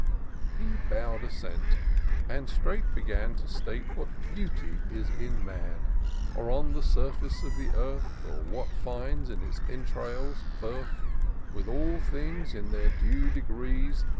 He bow'd assent, and straight began To state what beauty is in man; Or on the surface of the earth. Or what finds, in its entrails, birth j With all things in their due degrees.